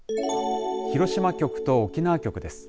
広島局と沖縄局です。